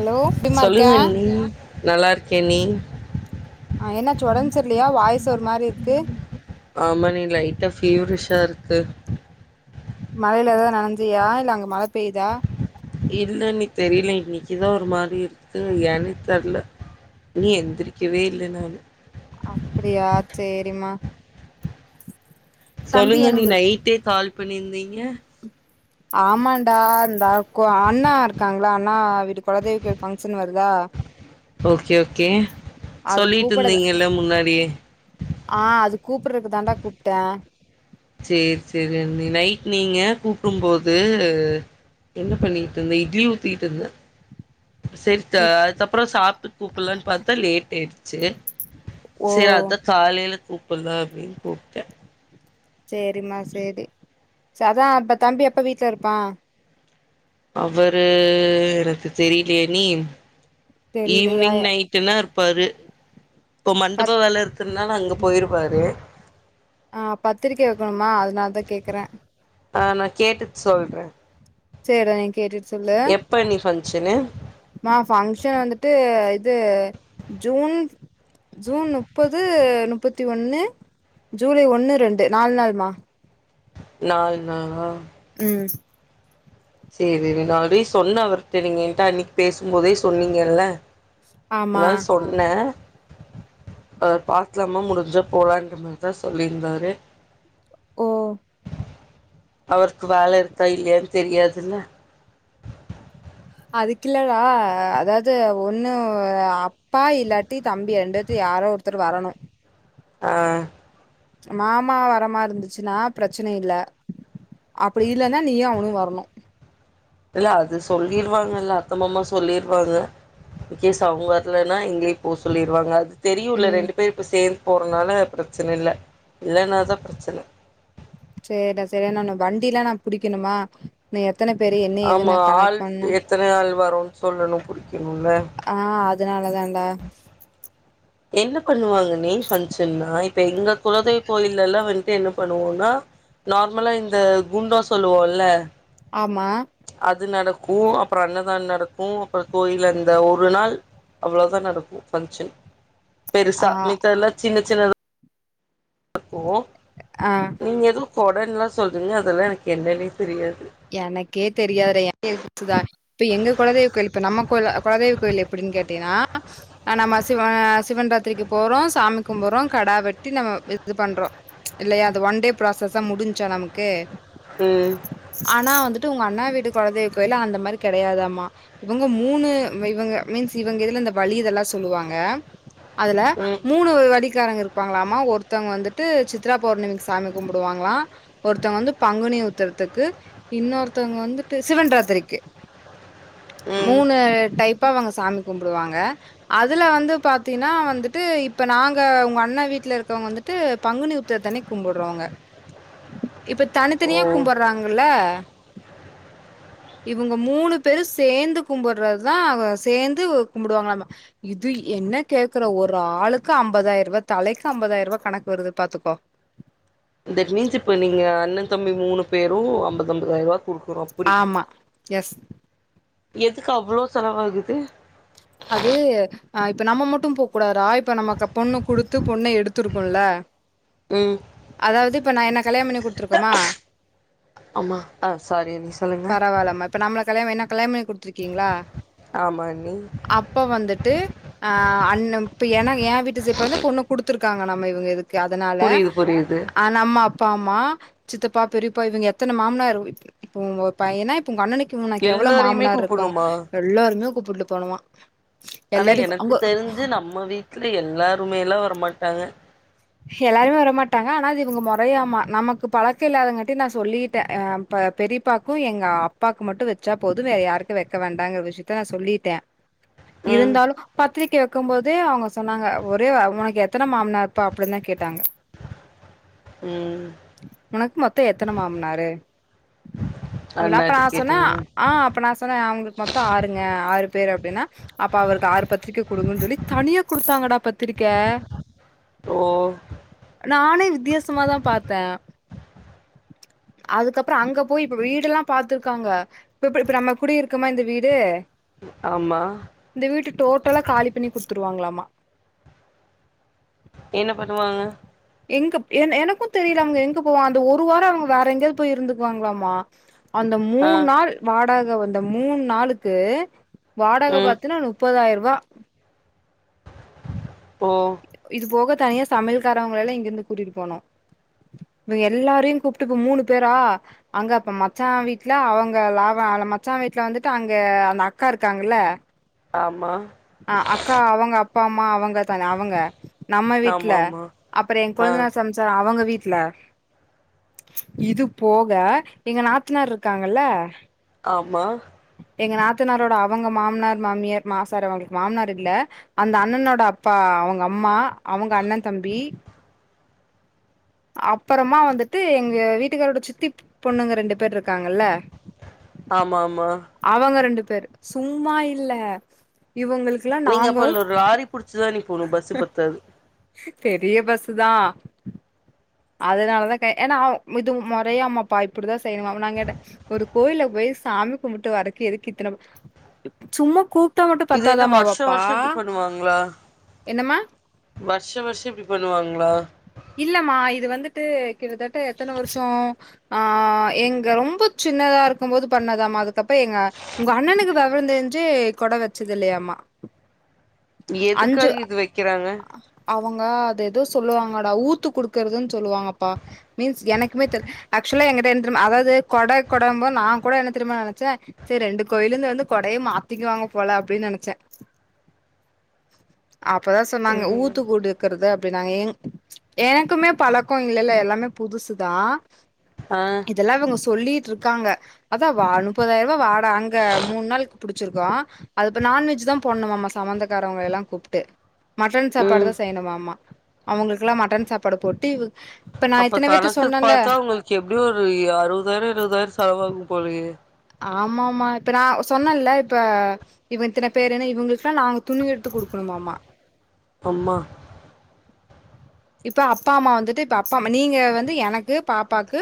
Hello எப்டிமா இருக்க சொல்லுங்க அண்ணி நல்லாருக்கேண்ணி ஆ என்னாச்சு ஒடம்பு சர்லயா வாய்ஸ் ஒரு மாரி இருக்கு ஆமாண்ணி லைட்டா ஃபீவரிஷா இருக்கு மழைல எது நனஞ்சியா? இல்ல அங்க மழ பெய்தா? ஏன்னே தெர்ல இன்னு எந்திரிக்கவே இல்ல நானு டிமா சொல்லுங்கண்ணி இருக்கு நைட்டே கால் பண்ணிருந்தீங்க ஆமான்டா இந்தா கொ அண்ணா இருக்காங்ல அண்ணா வீட்டு கொலதெய் கோவில் ஃபங்ஷன் வருதா ஓகே ஓகே அது கூப்புடத சொல்லிட்ருந்தீங்கல்ல முன்னாடியே கூப்புர்றக்கு தான்டா கூப்டே சேர் சேரி அண்ணி நைட் நீங்க கூப்டும் போது என்ன பண்ணிட்ருந்த இட்லி ஊத்திட்ருந்தே செர் த அதுக்கப்றொ சாப்ட்டு கூப்புல்லான் பாத்தா லேட் ஆயிடுச்சு ஓ சே அதா காலைல கூப் புல்லா அப்டின் கூப்ட்டே சேரிம்மா சேரி செ அதா அப்ப தம்பி எப்ப வீட்ல இருப்பா? அவரு எனக்கு தெரிலயே அண்ணி தெரிலையா ஈவ்னிங் நைட்டுனா இருப்பாரு இப்ப மண்டப பத் வே இருக்கறனால அங்கப் போயிருவாரு ஆ பத்திரிக்க வக்கணுமா அதுனால தா கேக்குறே ஆ நா கேட்டுட் சொல்றே சேர்டா நீ கேட்டுட்டு சொல்லு எப்ப அண்ணி ஃபங்க்ஷனு மா ஃபங்ஷன் வந்துட்டு இது ஜூன் ஜூன் நுப்பது நுப்பத்தி ஒன்னு ஜூலை ஒன்னு ரெண்டு நாலு நாள்மா நால் நாளா ம் சேரி அண்ணி நா ஆல்ரடி சொன்ன அவருட்ட நீங்க என்ட்ட அன்னைக்கு பேசும் போதே சொன்னீங்கல்ல ஆமா அதா சொன்னே அவர் பாக்லாமா முடுஞ்சா போலான்ற மாரி தா சொல்லிருந்தாரு ஓ அவருக்கு வேல இருக்கா இல்லையான் தெரியாது என்ன அதுக்கில்லடா அதாவ்து ஒன்னு அப்பா இல்லாட்டி தம்பி ரெண்டுபேத்துல யாரா ஒருத்தர் வரணு ஆ மாமா வரமா இருந்துச்சுனா பிரச்சன இல்ல அப்டி இல்லனா நீயு அவனு வரணு இல்ல அது சொல்லிருவாங்க இல்ல அத்த மாமா சொல்லிருவாங்க இன்கேஸ் அவுங்க வர்லன்னா எங்களயே போ சொல்லிருவாங்க அது தெரியு இல்ல ம் ரெண்டு பேர் இப்ப சேந் போறனால பிரச்சன இல்ல இல்லேன்னாதா பிரச்சன சேரிடா சேரி நானு வண்டிலா நா புடிக்கணுமா நீ எத்தன பேரு என்ன ஏதுன்னு ஆமா நா கணக்கு ஆள் பண்ணு எத்தன ஆள் வரு சொல்லணு புடிக்கணுல்ல அதனாலதாண்டா என்ன பண்ணுவாங்க மெய்ன் ஃபங்ஷன்னா இ ப்ப எங்க குலதெய் கோயில்லல்லா வந்துட்டு என்ன பண்ணுவோன்னா நார்மலா இந்த குண்டோ சொல்லுவோல்ல ஆமா க்கு அப்புறோ அன்னதான நடக்கு அப்புற கோயில்ல அந்த ஒரு நாள் அவ்ளோதா நடக்கு ஃபங்க்ஷன் ஆ பெருசா மித்ததல்லா சின்ன சின்னதா நடக்கு ஆ நீங்க எதோ கொடன்லா சொல்றீங்க அதெல்லா எனக்கு என்னனே தெரியாது எனக்கே தெரியாது [inaudible] இப்ப எங்க கொலதெய்வ கோயில் இப்ப நம்ம கொல கொலதெய்வ கோயில் எப்பிடின்னு கேட்டயின்னா ஆ நம்ம சிவ சிவன்ராத்திரிக்கு போறோ சாமி கும்புட்றோ கடா வெட்டி நம்ம இது பண்றோ இல்லயா அது ஒன் டே ப்ராசஸா முடிஞ்ச்சா நமக்கு ம் ஆனா வந்துட்டு உங்க அண்ணா வீட்டு கொலதெய்வ கோயில்ல அந்த மாரி கெடையாதாமா இவுங்க மூணு இவுங்க மீன்ஸ் இவுங்க இதுல இந்த வழி இதெல்லா சொல்லுவாங்க அதுல ம் மூணு வழிக்காரங்க இரு ப்பாங்களாமா ஒருத்தவங்க வந்துட்டு சித்ரா பௌர்ணமிக்கு சாமி கும்புடுவாங்களா ஒருத்தங்க வந்து பங்குனி உத்தரத்துக்கு இன்னொருத்தவங்க வந்துட்டு சிவன்ராத்திரிக்கி ம் மூணு டைப் பா அவங்க சாமி கும்புடுவாங்க அதுல வந்து பாத்தீன்னா வந்துட்டு இப்ப நாங்க உங்க அண்ணா வீட்ல இருக்கவங்க வந்துட்டு பங்குனி உத்தரத்து அன்னைக்கி கும்பட்றவங்க இப்ப ஓ தனித்தனியா கும்பட்றாங்க ல்ல இவங்க மூணு பேரு சேந்து கும்பட்றதுதா ஆ சேந்து கும்புடுவாங்கலாமா இது என்ன கேக்குற ஒரு ஆளுக்கு அம்பதாயர்ரூவா தலைக்கு அம்பதாயர்ரூவா கணக்கு வருது பாத்துக்கோ தட் மீன்ஸ் இப்ப நீங்க அண்ணன் தம்பி மூணு பேரு அம்பது அம்பதாயர்ரூவா ஆமா எஸ் எதுக்கு அவ்ளோ செலவு ஆகுது அது ஆ இப்ப நம்ம மட்டு போக்கூடாதுறா இப்ப நமக்க பொண்ணு குடுத்து பொண்ணு எடுத்து இருக்கோல்ல ம் அதாவது இப்ப நா என்ன கல்யாணோ பண்ணி குடுத்துருக்கமா ஆமா ஆ சாரி அண்ணி சொல்லுங்க பரவால்லாம இப்ப நம்மள ப்ளஸ் [unintelligible] என்ன கல்யாண பண்ணி குடுத் துருக்கீங்களா ஆமா அண்ணி அப்ப வந்துட்டு ஆ அ ண்ணு இப்ப எனக் ஏன் வீட்டுஸ் இப்ப வந்து பொண்ணு குடு த்திருக்காங்க நம்ம இவங்க இது க்கு அதனால புரியுது புரியுது ஆ நம்ம அப்பா அம்மா சித்தப்பா பெரியப்பா இவங்க எத்தன மாமனார் இ இப்போ உங்க பையன்னா இப்ப உங்க அண்ணனு க்கு உனக்கு எவ்வளவு எல்லாரையுமே மாமனார் இருக்கு கூப்புட்ணுமா எல்லாருமே கூப்புட்டு போகணுமா ஆனா எனக்கு தெரிஞ்சு நம்ம வீட்ல எல்லாருமே எல்லா வரமாட் டாங்க எல்லாருமே வரமாட்டாங்க ஆனா அது இவங்க மொறையாமா நமக்கு பழக்கோ இல்லாதங்காட்டி நா சொல்லிட்டே ஆ ப பெரியப்பாக்கும எங்க அப்பாக்கு மட்டு வச்சா போது வேற யாருக்கு வைக்க வேண்டாங்குற விஷயத்த நா சொல்லிட்டே ம் இருந்தாலு பத்திரிக்க வைக்கும்போதே அவங்க சொன்னாங்க ஒரே உனக்கு எத்தன மாமா ப்பா அப்பிடிந்தா கேட்டாங்க ம் உனக்கு மொத் தோ எத்தன மாமனாரு அப்ப நா அண்ணாட்ட சொன்னே கேட்டுங்க ஆ அப்ப நா சொன்னே அவங்களுக்கு மொத்தோ ஆறுங்க ஆறு பேரு அப்டின்னா அப்ப அவருக்கு ஆறு பத்திரிக்க குடுங்கன்னு சொல்லி தனியா குடுத்தாங்கடா பத்திரிக்க ஓ நானே வித்தியாசமாதா பாத்தே அதுக்கப்புற அங்க போய் இப்ப வீடு எல்லா பாத்துருக்காங்க இப்ப இப்ப இப்ப நம்ம குடியிருக்கமா இந்த வீடு ஆமா இந்த வீட்ட டோட்டலா காலி பண்ணி குடு த்துருவாங்கலாமா என்ன பண்ணுவாங்க எங்க என் எனக்கு தெரியல அவங்க எங்க போவா அந்த ஒரு வாரோ அவங்க வேற எங்கயாவது போய் இருந்துக்குவாங்களாமா அந்த ஆ மூணு நாள் வாடக அந்த மூணு நாளுக்கு வாடக ம் பாத்தினா நுப்பதாயிர ருவா ப்போ இது போக தனியா சமையல்காரவங்கள எல்லா இங்க இருந்து கூட்டிட்டு போகணு இவங்க எல்லாரையு கூப்ட்டு இப்ப மூணு பேரா அங்க அப்ப மச்சா வீட்ல அவங்க லாவ அவ மச்சா வீட்ல வந்துட்டு அங்க அந்த அக்கா இருக்காங்கல்ல ஆமா அஹ் அக்கா அவங்க அப்பா அம்மா அவங்க தான அவங்க நம்ம வீட்ல ஆமா ஆமா அப்புற என் ஆ கொழுந்தனார் சம்சாரோ அவங்க வீட் ல இது போக எங்க நாத்தனார் இருக்காங்கல்ல ஆமா எங்க நாத்தனாரோட அவங்க மாமனார் மாமியார் மாசார அவங்க மாமனார் இல்ல அந்த அண்ணனோட அப்பா அவங்க அம்மா அவங்க அண்ணன் தம்பி அப்பறமா வந்துட்டு எங்க வீட்டுக்காரோட சித்தி பொண்ணுங்க ரெண்டு பேரு இருக்காங்கல்ல ஆமாம் அவங்க ரெண்டு பேரு சும்மா இல்ல இவங்களுக்குல்லா நீங்க நாங்க அப்ப இன்ன ஒரு லாரி புடிச்சுதா நீ போணு பஸ்ஸு பத்தாது பெரிய பஸ்ஸுதா அதனாலதா கே ஏன்னா இது மொறையாமாப்பா இப்பிடிதா செய்யணுமாமா நா கேட்டே ஒரு கோயில்ல போய் சாமி கும்புட்டு வரக்கு எதுக்கு இத்தன சும்மா கூப் இது என்ன வர்ஷொ வர்ஷொ இப்பிடி பண்ணுவாங்களா என்னம்மா வர்ஷொ வர்ஷோ இப்டி பண்ணுவாங் களா இல்லம்மா இது வந்துட்டு கிட்டத்தட்ட எத்தன வருஷோ ஆ எங்க ரொம்ப சின்னதா இருக்கும் போது பண்ணதாம அதுக்கப்புற எங்க உங்க அண்ணனுக்கு வெவரந் தெரிஞ்சு கொட வச்சது இல்லையாம்மா எதுக்காக இது வக்கிறாங்க? அவுங்க அது ஏதோ சொல்லுவாங்க டா ஊத்து குடுக்குறதுன்னு சொல்லுவாங்கப்பா மீன்ஸ் எனக்குமே தெரி ஆக்சுவலா எங்கிட்ட என் தெரிமா அதாவது கொட கொடம்போ நா கூட என்ன தெரியுமா நெனைச்சே சரி ரெண்டு கோயில்ல இருந்து வந்து கொடைய மாத்திக்குவாங்க போல அப்பிடின்னு நெனைச்சே அப்பதா சொன்னாங்க ஊத்து குடுக்கறது அப் ப நாங்க ஏங் எனக்குமே பழக்கோ இல்லல்ல எல்லாமே புதுசுதா ஆ இதல்லா அவுங்க சொல்லிட்ருக்காங்க அதா வா நுப்பதாயர்ருவா வா ஆ அங்க மூண் நாள் புடிச்சிருக்கோ அது இப்ப நான்வெஜ்தா போட்ணுமாமா சம்பந்தக்காரவங்கள எல்லா கூப்ட்டு மட்டன் ம் சாப்பாடுதா செய்யணுமாமா அவங்களுக் கல்லா மட்டன் சாப்பாடு போட்டு இப்ப நா அப்ப இத்தன பேத்த கணக்குக் சொன்னேல பாத்தா உங்களுக்கு எப்டியு ஒரு ய அறுவதாயரோ எழுவதாயிரோ செலவாகு போலயே ஆமா ஆமா இப்ப நா சொன்னல்ல இப்ப இவங்க இத்தன பேருனு இவங்களு க்கு எல்லா நாங்க துணி எடுத்து குடுக்கணுமாமா அம்மா இப்ப அப்பா அம்மா வந்துட்டு இப்ப அப்பா அம்மா நீங்க வந்து எனக்கு பாப்பாக்கு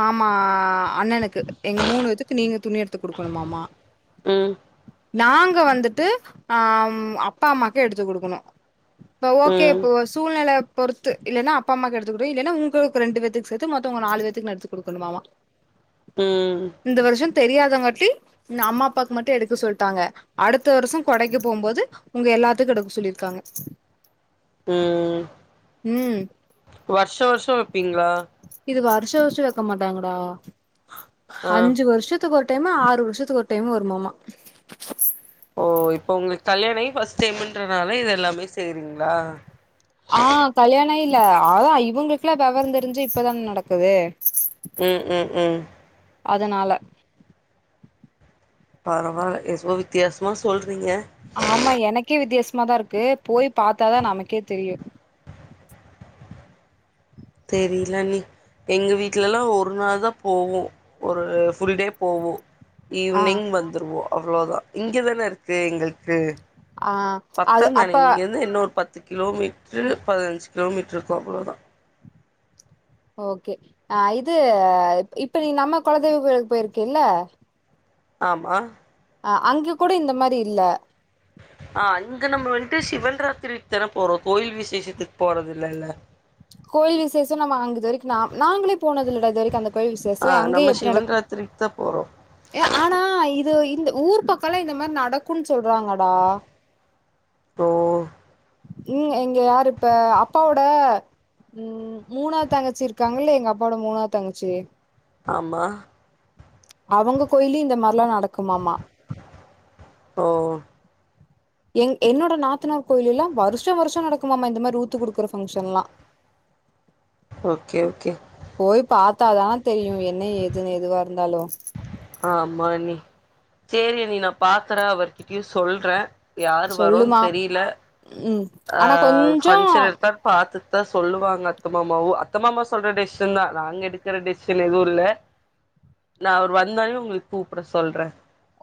மாமா அண்ணனு க்கு எங்க மூணு வெத்துக்கு நீங்க துணி எடுத்து குடுக்கணுமாமா ம் நாங்க வந்துட்டு அஹ அப்பாம்மாக்கு எடுத்து குடுக்கணு ப ஓகே ம் இப்போ சூழ்நெல பொறுத்து இல்லன்னா அப்பாம்மாக்கு எடுத்து குடு இல்லன்னா உங்களுக்கு ரெண்டு பேத்துக்கு சேத்து மொத்த உங்க நாலு பேத்துக்கு நா எடுத்து குடுக்கணுமாமா ம் இந்த வருஷோ தெரியாதங்காட்டி இந்த அம்மாப்பாக்கு மட்டு எடுக்க சொல்ட்டாங்க அடுத்த வருஷொ கொடைக்கு போம்போது உங்க எல்லாத்துக்கு எடுக்க சொல்லிருக்காங்க ம் ம் ம் வருஷ வருஷ வப்பீங்ளா? ஷ வர்ஷ வக்க மாட்டாங்கடா ஆ அஞ்சு வருஷத்துக்கொரு டைமு ஆறு வருஷத்துக்கு ஒரு டைமு வருமாமா ஓ இப்ப உங்ளுக் கல்யாண ஆயி ஃபர்ஸ்ட் டைமுன்றனால இது எல்லாமே செய்றீங்ளா? ஆ கல்யாண ஆயில்ல அதா இவுங்களுக்லா வெவர தெருஞ்சு இப்பதான நடக்குது ம் ம் ம் அதனால பரவால எதுவோ வித்யாசமா சொல் ஆமா எனக்கே வித்யாச மா தா இருக்கு போய் பாத்தாதா நமக்கே தெரியு தெரிலண்ணி எங்க வீட்லலா ஒரு நாள் தா போவோ ஒரு ஃபுல் டே போவோ ஆ ஈவி்னிங் வந்துருவோ அவ்வளோ தா இங்க தானே இருக்கு எங்கள்க்கு ஆ அது அப்ப து கிலோமீட்ரு பதினஞ்சு கிலோமீட்ருக்கு அவ்ள தா ஓகே ஆ இது இப்ப நீ நம்ம கொலதெய்வ கோயிலுக் போயிருக்கில்ல ஆமா அ அங்க கூட இந்த மாரி இல்ல ஆ அங்க நம்ம வன்ட்டு சிவன் ராத்திரிக் தான போறோ கோவில் விசேஷத்துக் போறதில்லல்ல கோயில் விசேஷொ நம்ம அங்க இது வரைக்கு நா நாங்ளே போனதில்லடா இது வரைக்கு அந்த கோயில் விசேஷொ ஆ அங்கயே நம்ம எப்டி சிவன் நடக்கு ராத்திரிக்கு தா போறோ ஆனா இது இந்த ஊர் பக்கொல்லா இந்த மார் நடக்குன் சொல்றாங்கடா ஓ ம் இங்க யாரு இப்ப அப்பாவோட ம் மூணாது தங்கச்சி இருக்காங்கல்ல எங்க அப்பாவோட மூணாது தங்கச்சி ஆமா அவங்க கோயில்லு இந்த மார்லா ந டக்குமாமா ஓ எங் என்னோட நாத்தனார் கோயில்லெல்லா வருஷ வருஷ நடக்குமாமா இந்த மாரி ஊத்து குடுக்குற ஃபங்ஷன்லா ஓகே ஓகே போய் பாத்தாதா தெரியும் என்ன ஏதுன்னு எதுவா இருந்தாலும் [inaudible] ஆமா அண்ணி செரி அண்ணி நா பாக்கற அவர்கிட்யு சொல்ற யாரு வரோன்னு சொல்லுமா தெரில ம் ஆ ஆனா கொஞ்சோ ஃபன்ஷன் எடுத்தா பாத்து தா சொல்லுவாங்க அத்த மாமாவும் அத்த மாமா சொல்ற டெசிஷன் தா நாங்க எடுக்ற டெசிஷன் எதுவும் இல்ல நா அவர் வந் இருந்தாலும் உங்ளுக் கூப்ட சொல்ற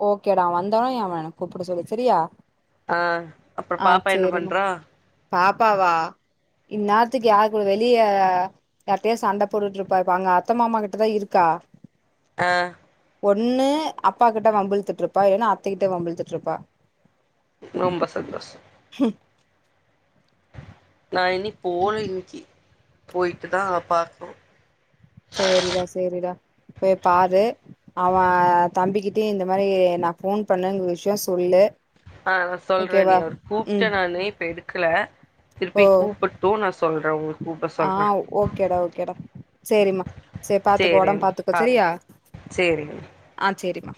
ஓகே டா அவன் வந்த அவன கூப்ட சொல்லி செரியா ஆ அப்புறோ ஆ பாப்பா என்ன செரிமா பண்றா பாப்பாவா இன்நாத் த்துக் கெகனு வெளிய யாருட்டையாது சண்ட போட்டுட்டு இருப்பா இப்ப அங்க அத்த மாமா கிட்ட தா இருக்கா அ ஒண்ணு அப்பா கிட் ட வம்புழுத்துட்டு இருப்பா இல்லனா அத்தகிட்ட வம்புழுத்துட்டு இருப்பா ரொம்ப சந்தோசோ ஹ நா இனி போல இ்ன்கி போய்ட்டு தா பாக்கணும் செரிடா செரிடா பேய் பாரு அவன் தம்பிக்கிட்டயு இந்த மாரி நா ஃபோன் பண்ணன விஷ்யோ சொல்லு ஆ சொல்ற அண்ணி ஓகேவா அவர் ம் கூப்ட நானு இப்ப எடுக்ல ஓ திருப்பி கூப்புட்டும் நா சொல்ற அவுங்ளுக் ஆ ஓகேடா ஓகேடா செரிம்மா செரி பாத்துக்கோ சேரி உடம் அண்ணி பாத்துக்கோ பாருங்க செரியா சேரிங்க ஆ செரிமா